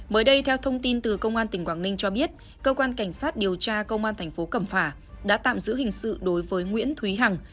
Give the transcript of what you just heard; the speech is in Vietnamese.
mới đây theo thông tin từ công an tỉnh quảng ninh cho biết cơ quan cảnh sát điều tra công an thành phố cẩm phả đã tạm giữ hình sự đối với nguyễn thúy hằng